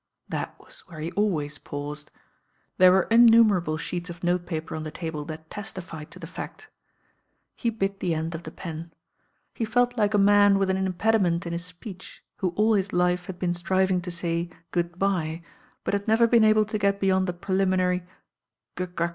That was where he always paused. There were innumerable sheets of note paper on the table that testified to the fact He «5» It r. a »n y le o y n e e 9 [1 THE DELUGE bit the end of ^e pen. He felt like a man with an impediment m his speech, who aU his life had been •trivmg to say "good4)ye"; but had never been able to get beyond the preliminary "gug gug."